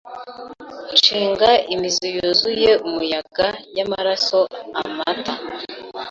shinga imiziyuzuye umuyaga yamaraso amata